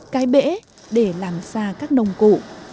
cái bể để làm xa các nông cụ